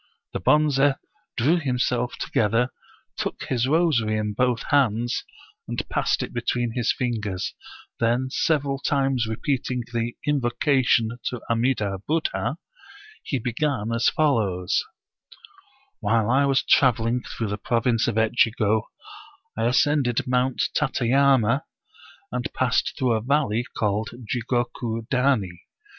The Bonze drew himself together, took his rosary in both 19 Oriental Mystery Stories hands and passed it between his fingers, then several times repeating the invocation to Amida Buddha, he began as follows :" While I was traveling through the province of Etchigo, I ascended Mount Tateyama, and passed through a valley called Jigoku Dani.